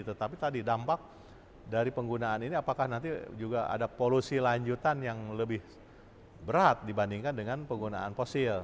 tetapi tadi dampak dari penggunaan ini apakah nanti juga ada polusi lanjutan yang lebih berat dibandingkan dengan penggunaan fosil